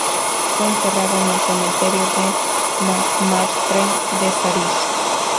Fue enterrado en el cementerio de Montmartre de París.